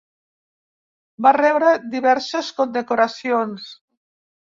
Va rebre diverses condecoracions.